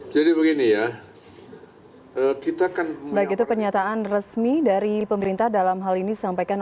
jadi begini ya kita kan begitu pernyataan resmi dari pemerintah dalam hal ini sampaikan